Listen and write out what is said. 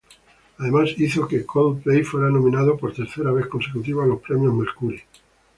Además, hizo que Coldplay fuera nominado por tercera vez consecutiva a los premios Mercury.